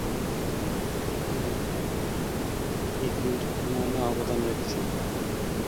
অনেক আলেম এই গ্রন্থ প্রণয়নে অবদান রেখেছেন।